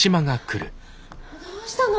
どうしたの？